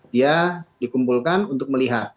dia dikumpulkan untuk melihat